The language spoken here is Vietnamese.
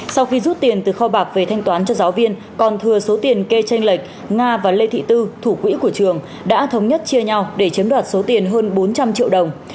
sau khi rút tiền từ kho bạc về thanh toán cho giáo viên còn thừa số tiền kê tranh lệch nga và lê thị tư thủ quỹ của trường đã thống nhất chia nhau để chiếm đoạt số tiền hơn bốn trăm linh triệu đồng